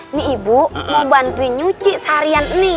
ini ibu mau bantuin nyuci seharian nih